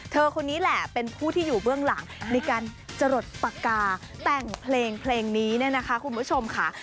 คนนี้แหละเป็นผู้ที่อยู่เบื้องหลังในการจรดปากกาแต่งเพลงเพลงนี้เนี่ยนะคะคุณผู้ชมค่ะ